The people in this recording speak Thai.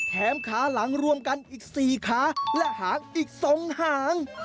แถมขาหลังรวมกันอีกสี่ขาและหางอีกสองหาง